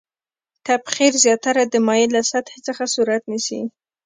تبخیر زیاتره د مایع له سطحې څخه صورت نیسي.